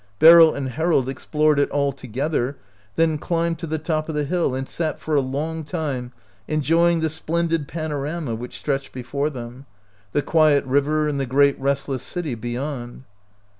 Beryl and Harold explored it all together, then climbed to the top of the hill and sat for a long time enjoying the splendid panorama which stretched before them — the quiet river and the great restless city beyond.